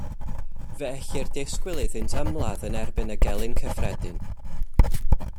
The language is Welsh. Fe ellir disgwyl iddynt ymladd yn erbyn y gelyn cyffredin.